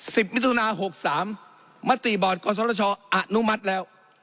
สิบมิถุนาหกสามมะติบอดกฎสอดชอบอนุมัติแล้ว